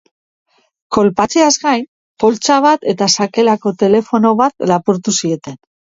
Kolpatzeaz gain, poltsa bat eta sakelako telefono bat lapurtu zieten.